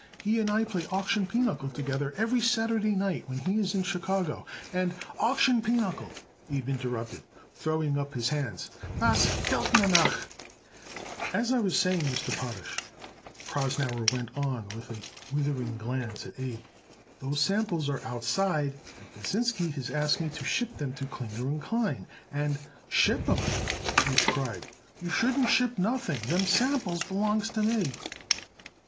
He and I play auction pinochle together every Saturday night when he is in Chicago, and " "Auction pinochle!" Abe interrupted, throwing up his hands. "Das fehlt nur noch!" "As I was saying, Mr. Potash," Prosnauer went on with a withering glance at Abe, "those samples are outside, and Pasinsky has asked me to ship them to Klinger & Klein, and " "Ship 'em!" Abe cried. "You shouldn't ship nothing. Them samples belongs to me."